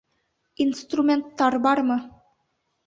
Инструменттар бармы?